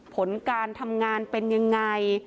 ผลการทำงานเป็นยังไง